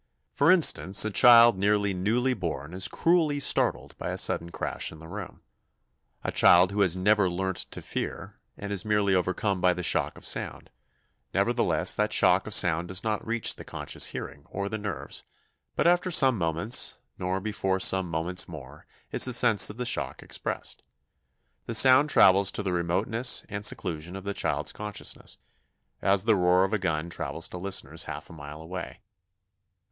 For instance, a child nearly newly born is cruelly startled by a sudden crash in the room a child who has never learnt to fear, and is merely overcome by the shock of sound; nevertheless, that shock of sound does not reach the conscious hearing or the nerves but after some moments, nor before some moments more is the sense of the shock expressed. The sound travels to the remoteness and seclusion of the child's consciousness, as the roar of a gun travels to listeners half a mile away.